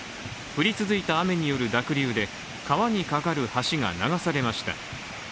降り続いた雨による濁流で川に架かる橋が流されました。